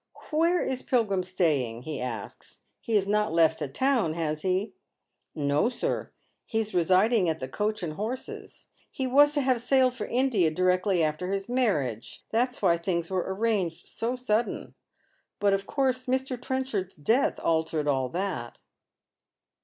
" Where is Mr. Pilgrim staying ?" he asks. '' He has not left the town, has he ?"" No, sir. He is residing at the ' Coach and Horses.' He was to have sailed for India directly after his mamage. That's why things were arranged so sudden. But of course Mr. Trenchard's death altered all that."